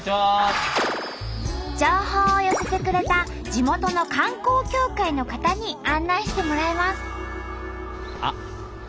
情報を寄せてくれた地元の観光協会の方に案内してもらいます。